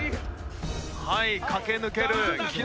はい駆け抜ける木梨。